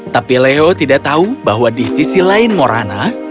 tapi leo tidak tahu bahwa di sisi lain morana